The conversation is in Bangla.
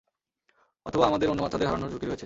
অথবা আমাদের অন্য বাচ্চাদের হারানোর ঝুঁকি রয়েছে।